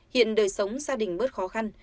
hiện đời sống gia đình bớt khó khăn